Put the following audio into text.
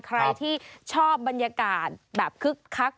ใครที่ชอบบรรยากาศแบบคึกคัก